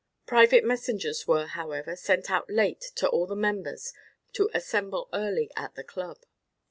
Private messengers were, however, sent out late to all the members to assemble early at the club.